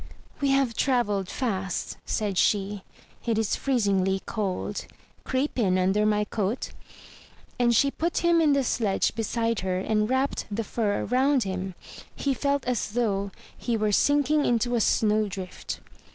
"We have travelled fast," said she. "It is freezingly cold; creep in under my coat." And she put him in the sledge beside 308 THROUGH FAIRY HALLS her, and wrapped the fur round him. He felt as though he were sinking into a snow drift.